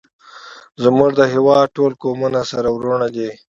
زمونږ د هیواد ټول قومونه سره ورونه دی